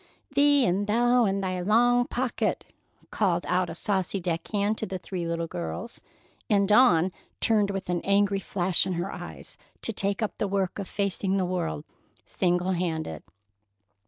"Thee and thou and thy long pocket!" called out a saucy deck hand to the three little girls, and Dawn turned with an angry flash in her eyes to take up the work of facing the world single handed.